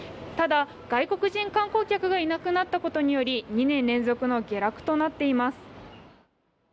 ただ、外国人観光客がいなくなったことにより、２年連続の下落となっています。